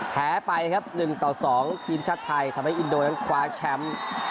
แพ้ไปครับ๑ต่อ๒ทีมชาติไทยทำให้อินโดนั้นคว้าแชมป์